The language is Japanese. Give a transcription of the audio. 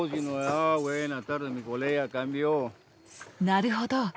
なるほど。